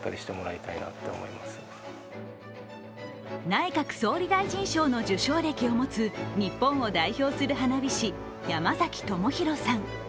内閣総理大臣賞の受賞歴を持つ日本を代表する花火師山崎智弘さん。